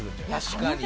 確かに。